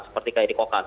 seperti kayak di kokak